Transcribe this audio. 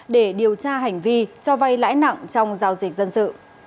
để điều tra hành vi cho vay lãi nặng trong giao dịch dân sự